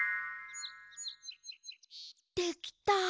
できた。